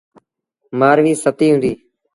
مآرويٚ ستيٚ هُݩديٚ۔